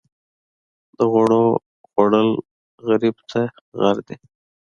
د غوړیو خوړل غریب ته غر دي.